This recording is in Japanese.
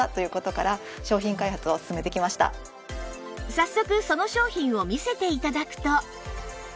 早速その商品を見せて頂くと